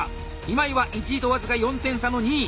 今井は１位と僅か４点差の２位。